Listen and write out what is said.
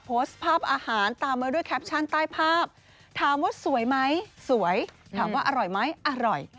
โพสต์ภาพอาหารตามมาด้วยแคปชั่นใต้ภาพถามว่าสวยไหมสวยถามว่าอร่อยไหมอร่อย